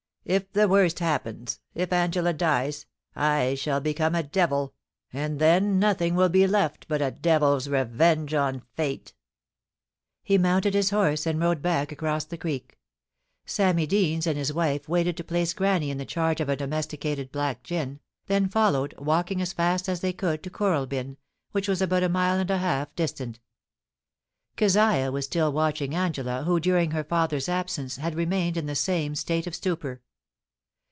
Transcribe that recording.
If the worst happens — if Angela dies — I shall become a devil ; and then nothing will be left but a devil's revenge on fate.' He mounted his horse, and rode back across the creek. Sammy Deans and his wife waited to place Granny in the charge of a domesticated black gin, then followed, walking as fast as they could to Kooralbyn, which was about a mile and a half distant Keziah was still watching Angela, who, during her father's absence, had remained in the same state of stupor.